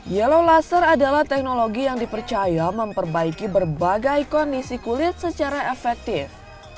yellow laser adalah teknologi yang dipercaya memperbaiki berbagai kondisi kulit secara efektif